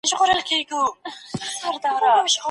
خیر محمد په ډېرې مېړانې سره خپل بار په اوږه کړ.